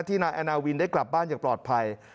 นายแอนาวินได้กลับบ้านอย่างปลอดภัย